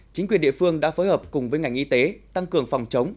chính quyền địa phương đã phối hợp cùng với ngành y tế tăng cường phòng chống